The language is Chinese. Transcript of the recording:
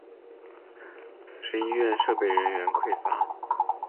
此时医院设备人员匮乏。